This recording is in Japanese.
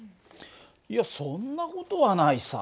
いやそんな事はないさ。